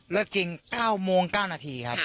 จริง๙โมง๙นาทีครับ